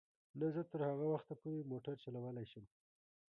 نه، زه تر هغه وخته پورې موټر چلولای شم.